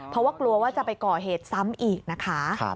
เพราะว่ากลัวว่าจะไปก่อเหตุซ้ำอีกนะคะ